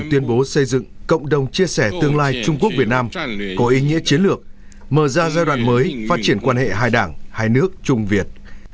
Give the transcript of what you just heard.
từ việc chia sẻ tương lai trung quốc việt nam có ý nghĩa chiến lược mở ra giai đoạn mới phát triển quan hệ hai đảng hai nước trung việt